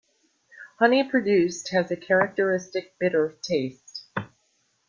Honey produced has a characteristic bitter taste.